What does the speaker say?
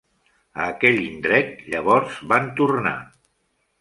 A aquell indret, llavors, van tornar.